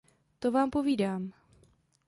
To vám povídám.